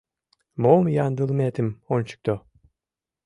— Мом ямдылыметым ончыкто.